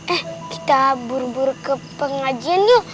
eh kita buru buru ke pengajian yuk